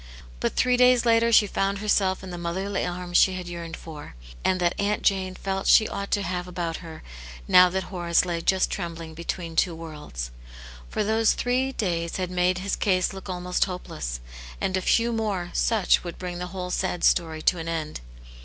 But .three days later she found herself in the m otherly arms she had yearned for, and that Aunt ^ ane felt she ought to have about her now that Horace lay just trembling between two worlds. For those three days had made his case look almost hopeless, and a few more such would bring the whole sad story to an end.